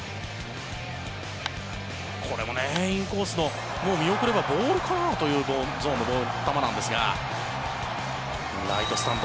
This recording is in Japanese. これもインコースのもう見送ればボールかなというゾーンの球なんですがライトスタンド